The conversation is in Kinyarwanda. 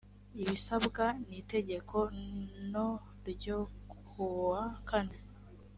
ibisabwa n itegeko no ryo kuwa kane